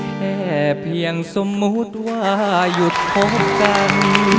แค่เพียงสมมุติว่าหยุดคบกัน